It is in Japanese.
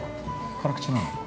辛口なの？